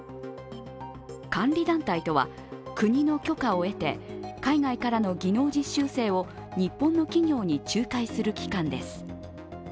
監理団体とは、国の許可を得て海外からの技能実習生を日本の企業に仲介する機関です。